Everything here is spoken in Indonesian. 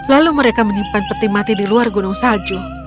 lalu mereka menyimpan peti mati di luar gunung salju